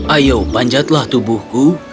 ayo panjatlah tubuhku